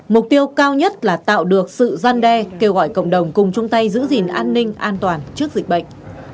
mục tiêu cao nhất là tạo được sự gian đe kêu gọi cộng đồng cùng chung tay giữ gìn an ninh an toàn trước dịch bệnh